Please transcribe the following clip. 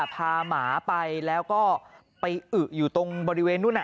หมาไปแล้วก็ไปอึอยู่ตรงบริเวณนู้น